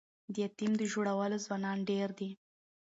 د یتیم د ژړولو ځوانان ډیر دي